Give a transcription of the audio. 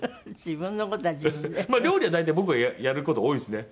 まあ料理は大体僕がやる事が多いですね。